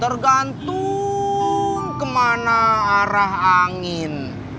tergantung kemana arah angin